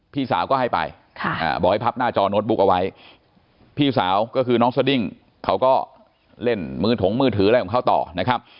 พี่สาวก็ให้ไปบอกให้พับหน้าจอโน้ตบุ๊กเอาไว้พี่สาวก็คือน้องสดิ้งเขาก็เล่นมือถงมือถืออะไรของเขาต่อนะครับ